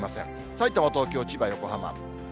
さいたま、東京、千葉、横浜。